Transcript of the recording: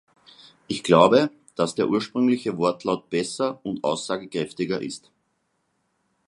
Ich glaube, dass der ursprüngliche Wortlaut besser und aussagekräftiger ist.